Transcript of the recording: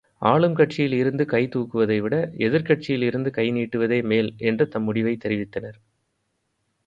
ஆளும் கட்சியில் இருந்து கைதூக்குவதைவிட எதிர்க் கட்சியில் இருந்து கை நீட்டுவதே மேல் என்று தம் முடிவைத் தெரிவித்தனர்.